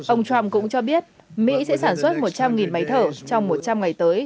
ông trump cũng cho biết mỹ sẽ sản xuất một trăm linh máy thở trong một trăm linh ngày tới